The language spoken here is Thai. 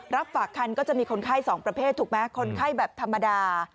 รับฝากคันก็จะมีคนไข้๒ประเภทถูกไหมคนไข้แบบธรรมดา